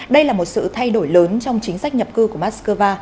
đây là một sự thay đổi lớn trong chính sách nhập cư của moscow